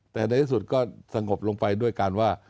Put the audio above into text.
แต่ในที่สุดก็สงบลงไปด้วยการว่า